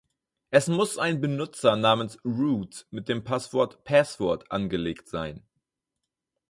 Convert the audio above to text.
Es muss ein Benutzer namens "root" mit dem Passwort "password" angelegt sein.